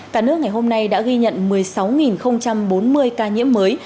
cả nước ngày hôm nay đã ghi nhận một mươi sáu bốn mươi ca nhiễm mới